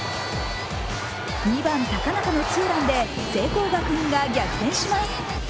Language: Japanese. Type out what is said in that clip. ２番・高中のツーランで聖光学院が逆転します。